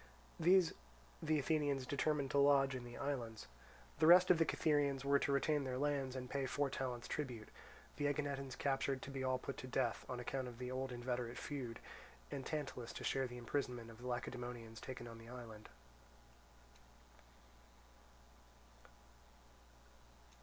These the Athenians determined to lodge in the islands: the rest of the Cytherians were to retain their lands and pay four talents tribute; the Aeginetans captured to be all put to death, on account of the old inveterate feud; and Tantalus to share the imprisonment of the Lacedaemonians taken on the island.